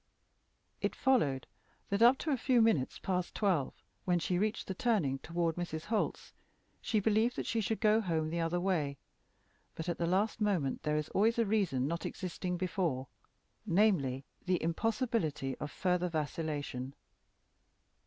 It followed that, up to a few minutes past twelve, when she reached the turning toward Mrs. Holt's, she believed that she should go home the other way; but at the last moment there is always a reason not existing before namely, the impossibility of further vacillation.